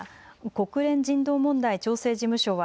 国連人道問題調整事務所